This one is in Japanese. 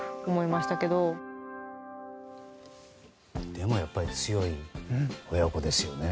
でも、やっぱり強い親子ですよね。